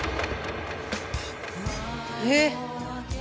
えっ！